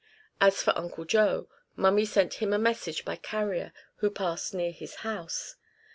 As for Uncle Joe, Mummy sent him a message by a carrier who passed near his house.